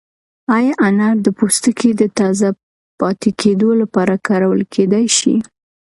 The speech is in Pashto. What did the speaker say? ایا انار د پوستکي د تازه پاتې کېدو لپاره کارول کیدای شي؟